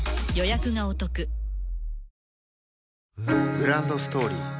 グランドストーリー